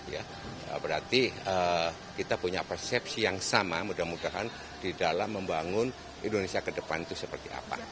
ya berarti kita punya persepsi yang sama mudah mudahan di dalam membangun indonesia ke depan itu seperti apa